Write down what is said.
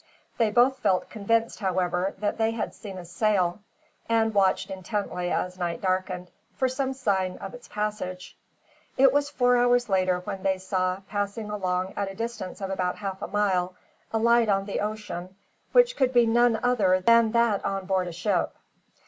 They both felt convinced, however, that they had seen a sail; and watched intently, as night darkened, for some sign of its passage. It was four hours later when they saw, passing along at a distance of about half a mile, a light on the ocean which could be no other than that on board a ship.